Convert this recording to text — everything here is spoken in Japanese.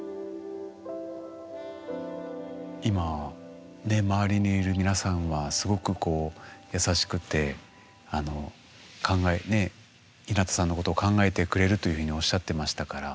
今ね周りにいる皆さんはすごく優しくてひなたさんのことを考えてくれるというふうにおっしゃってましたから。